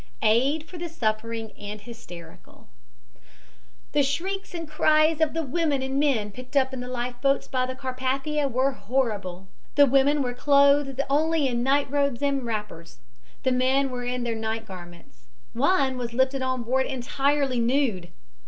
AID FOR THE SUFFERING AND HYSTERICAL The shrieks and cries of the women and men picked up in life boats by the Carpathia were horrible. The women were clothed only in night robes and wrappers. The men were in their night garments. One was lifted on board entirely nude.